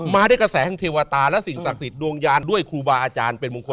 มาด้วยกระแสแห่งเทวตาและสิ่งศักดิ์สิทธิดวงยานด้วยครูบาอาจารย์เป็นมงคล